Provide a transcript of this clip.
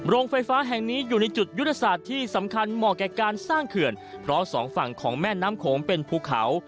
โรงไฟฟ้าแห่งนี้อยู่ในจุดยุทธศาสตร์ที่สำคัญ